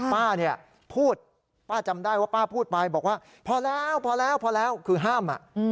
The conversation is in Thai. ป้าเนี่ยพูดป้าจำได้ว่าป้าพูดไปบอกว่าพอแล้วคือห้าม